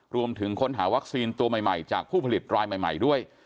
รวมถึงค้นหาวัคซีนตัวใหม่จากผู้ผลิตรายใหม่ด้วย